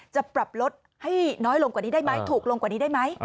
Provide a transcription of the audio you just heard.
จะปรับลดให้น้อยลงกว่านี้ได้ไหมถูกลงกว่านี้ได้ไหม